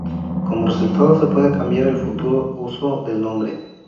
Como resultado se puede cambiar el futuro uso del nombre.